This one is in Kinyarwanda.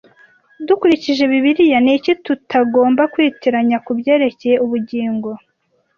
Dukurikije Bibiliya, ni iki tutagomba kwitiranya ku byerekeye ubugingo